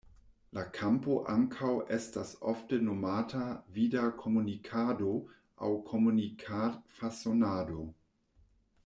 La kampo ankaŭ estas ofte nomata "Vida Komunikado" aŭ "Komunikad-fasonado".